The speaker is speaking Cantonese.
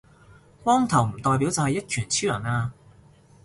光頭唔代表就係一拳超人呀